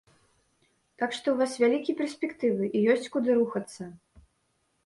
Так што ў вас вялікія перспектывы і ёсць куды рухацца.